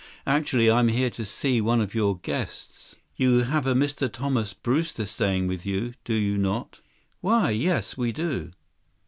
Actually, I'm here to see one of your guests. You have a Mr. Thomas Brewster staying with you, do you not?" "Why, yes, we do."